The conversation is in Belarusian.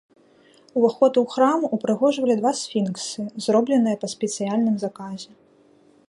Уваход у храм упрыгожвалі два сфінксы, зробленыя па спецыяльным заказе.